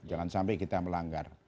jangan sampai kita melanggar